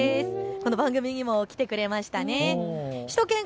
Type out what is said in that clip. この番組にも来てくれましたね。